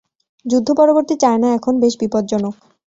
যুদ্ধ পরবর্তী চায়না এখন বেশ বিপজ্জনক।